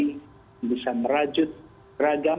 yang bisa merajut ragam